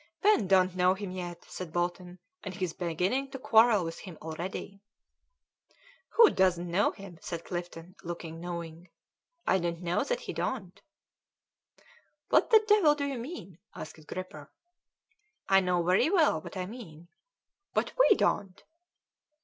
"Pen don't know him yet," said Bolton, "and he's beginning to quarrel with him already." "Who doesn't know him?" said Clifton, looking knowing; "I don't know that he don't!" "What the devil do you mean?" asked Gripper. "I know very well what I mean." "But we don't."